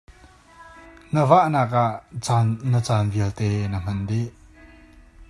Na vah nak ah na caan vialte na hman dih.